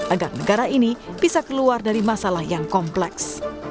agar negara ini bisa keluar dari masalah yang kompleks